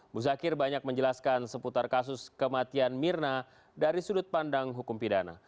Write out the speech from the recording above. muzakir banyak menjelaskan seputar kasus kematian mirna dari sudut pandang hukum pidana